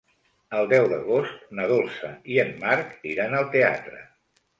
El deu d'agost na Dolça i en Marc iran al teatre.